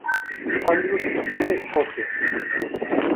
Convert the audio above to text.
Andrews en Fife, Escocia.